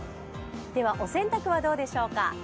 ではお洗濯はどうでしょうか。